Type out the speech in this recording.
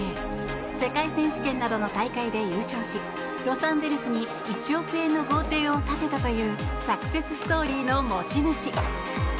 世界選手権などの大会で優勝しロサンゼルスに１億円の豪邸を建てたというサクセスストーリーの持ち主。